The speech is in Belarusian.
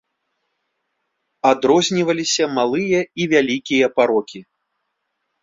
Адрозніваліся малыя і вялікія парокі.